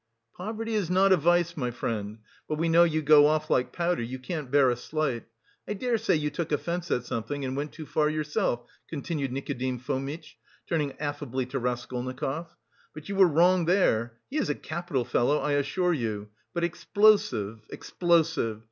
"Poverty is not a vice, my friend, but we know you go off like powder, you can't bear a slight, I daresay you took offence at something and went too far yourself," continued Nikodim Fomitch, turning affably to Raskolnikov. "But you were wrong there; he is a capital fellow, I assure you, but explosive, explosive!